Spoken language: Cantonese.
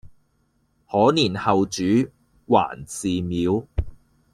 可憐後主還祠廟，